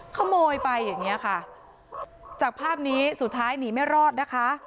ขโมยไปอย่างเงี้ยค่ะจากภาพนี้สุดท้ายหนีไม่รอดนะคะ